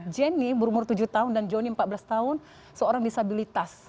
jenny berumur tujuh tahun dan joni empat belas tahun seorang disabilitas